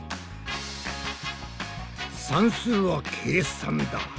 算数は計算だ。